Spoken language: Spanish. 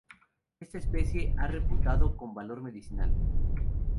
Esta especie ha reputado con valor medicinal.